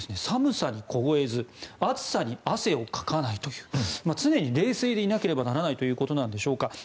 寒さに凍えず暑さに汗をかかないという常に冷静でいなければならないということなんでしょうか。